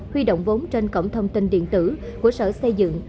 huy động vốn trên cổng thông tin điện tử của sở xây dựng